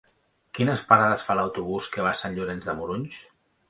Quines parades fa l'autobús que va a Sant Llorenç de Morunys?